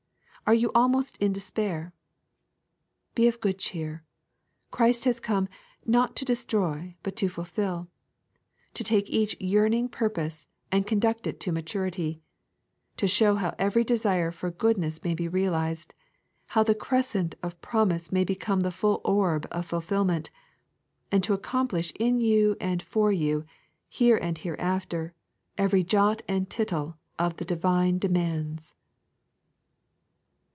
Are you almost in despair i Be of good cheer, Christ has come " not to destroy, but to fulfil," to take each yearning puis pose and conduct it to maturity ; to show how every desire for goodness may be realised, how the crescent of promise may become the full orb of fulfilment ; and to aocomplish in you and for you, here and hereafter, every " jot and tittle " of the Divine demands.